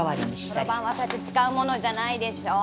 そろばんはそうやって使うものじゃないでしょう。